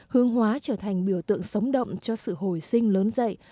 hướng hóa trở thành biểu tượng sống động cho sự hồi sinh lớn dậy